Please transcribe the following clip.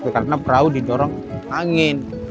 karena perahu dijorong angin